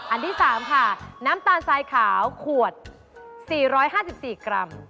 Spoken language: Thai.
อันที่๓ค่ะน้ำตาลทรายขาวขวด๔๕๔กรัม